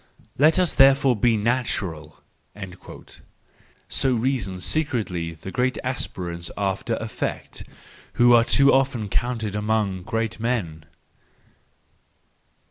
Let us therefore be natural! "—so reason secretly the great aspirants after effect, who are too often counted among great men.